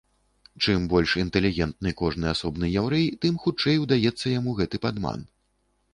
Чым больш інтэлігентны кожны асобны яўрэй, тым хутчэй удаецца яму гэты падман.